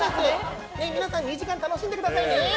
皆さん２時間楽しんでくださいね！